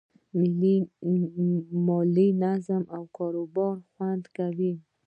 مالي نظم کاروبار خوندي کوي.